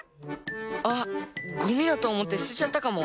あっゴミだとおもってすてちゃったかも。